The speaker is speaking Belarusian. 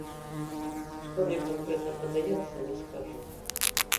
Што мне канкрэтна падаецца, не скажу.